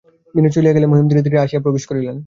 বিনয় চলিয়া গেল, মহিম ধীরে ধীরে ঘরে আসিয়া প্রবেশ করিলেন।